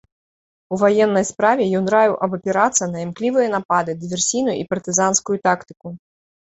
У ваеннай справе ён раіў абапірацца на імклівыя напады, дыверсійную і партызанскую тактыку.